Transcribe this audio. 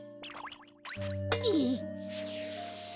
えい。